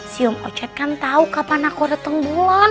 si om ocat kan tau kapan aku dateng bulan